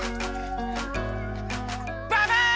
ババン！